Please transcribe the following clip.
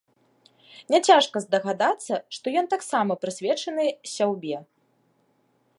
Няцяжка здагадацца, што ён таксама прысвечаны сяўбе.